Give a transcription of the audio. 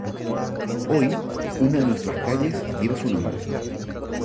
Hoy, una de nuestras calles lleva su nombre.